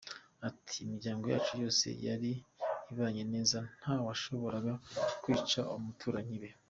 Ati “Imiryango yacu yose yari ibanye neza, nta washoboraga kwica abaturanyi be.